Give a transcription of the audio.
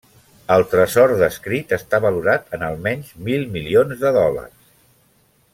El tresor descrit està valorat en, almenys, mil milions de dòlars.